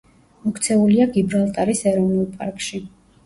მოქცეულია გიბრალტარის ეროვნული პარკში.